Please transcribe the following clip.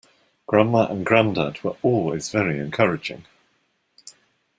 Grandma and grandad were always very encouraging.